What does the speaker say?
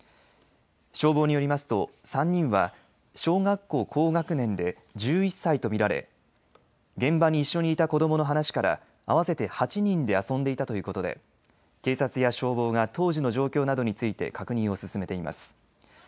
消防によりますと３人は小学校高学年で１１歳と見られ現場に一緒にいた子どもの話から合わせて８人で遊んでいたということで警察や消防が当時の状況などについて確認を進めています。